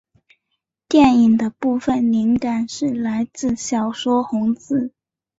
电影的部份灵感是来自小说红字。